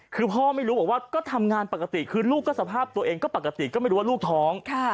คือพ่อไม่รู้บอกว่าก็ทำงานปกติคือลูกก็สภาพตัวเองก็ปกติก็ไม่รู้ว่าลูกท้อง